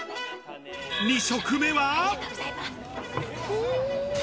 ２食目は。